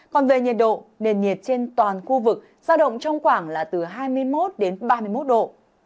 còn về nhiệt độ nền nhiệt trên toàn khu vực giao động trong khoảng là từ hai mươi một đến ba mươi một độ